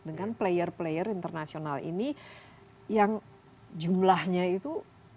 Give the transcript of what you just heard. dengan player player internasional ini yang jumlahnya itu